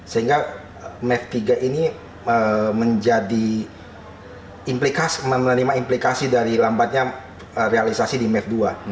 sehingga mev tiga ini menjadi menerima implikasi dari lambatnya realisasi di mev dua